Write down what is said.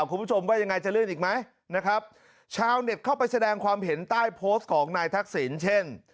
คุณผู้ชมว่ายังไงจะเลื่อนอีกไหมนะครับชาวเน็ตเข้าไปแสดงความเห็นใต้โพสต์ของนายทักษิณเช่น